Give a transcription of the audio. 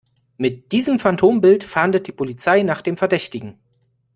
Mit diesem Phantombild fahndet die Polizei nach dem Verdächtigen.